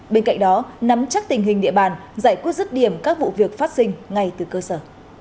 bên cạnh đó nắm chắc tình hình địa bàn giải quyết rứt điểm các vụ việc phát sinh ngay từ cơ sở